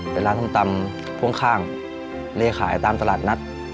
เป็นร้านทำตำค่าเลขายตามตลาดนัด